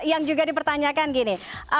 yang juga dipertanyakan gini